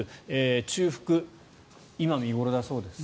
中腹、今が見頃だそうです。